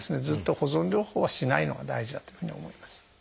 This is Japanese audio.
ずっと保存療法はしないのが大事だというふうに思います。